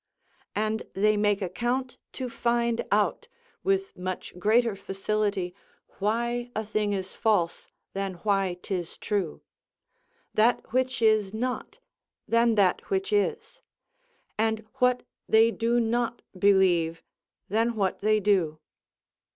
And they make account to find out, with much greater facility, why a thing is false, than why 'tis true; that which is not, than that which is; and what they do not believe, than what they do.